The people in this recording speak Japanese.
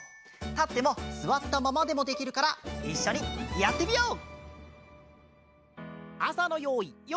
たってもすわったままでもできるからいっしょにやってみよう！